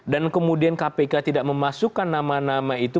dan kemudian kpk tidak memasukkan nama nama itu